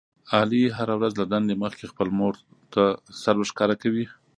علي هره ورځ له دندې مخکې خپلې مورته سر ورښکاره کوي.